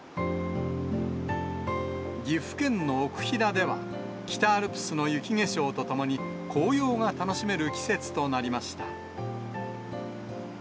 岐阜県の奥飛騨では、北アルプスの雪化粧とともに紅葉が楽しめる季節となりました。